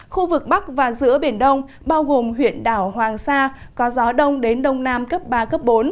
khu vực bắc và giữa biển đông bao gồm huyện đảo hoàng sa có gió đông đến đông nam cấp ba cấp bốn